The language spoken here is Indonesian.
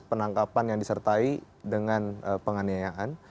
penangkapan yang disertai dengan penganiayaan